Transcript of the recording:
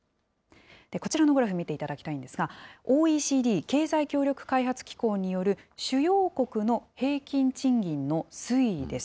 こちらのグラフ、見ていただきたいんですが、ＯＥＣＤ・経済協力開発機構による主要国の平均賃金の推移です。